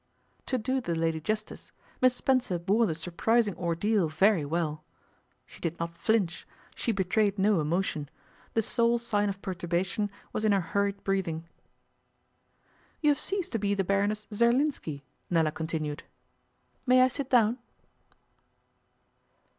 To do the lady justice, Miss Spencer bore the surprising ordeal very well. She did not flinch; she betrayed no emotion. The sole sign of perturbation was in her hurried breathing. 'You have ceased to be the Baroness Zerlinski,' Nella continued. 'May I sit down?